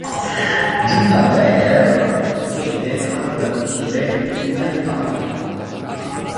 Giunta Beker chiede ad Eve di aiutarli.